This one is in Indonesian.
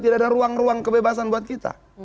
tidak ada ruang ruang kebebasan buat kita